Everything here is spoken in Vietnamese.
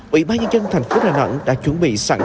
bị ba nhân dân thành phố hà nẵng đã chuẩn bị sẵn